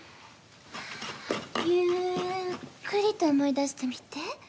ゆっくりと思い出してみて。